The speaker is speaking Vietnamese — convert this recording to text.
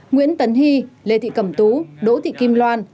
nguyễn tấn hy lê thị cẩm tú đỗ thị kim loan